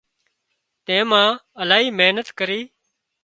تيمان الاهي محنت ڪري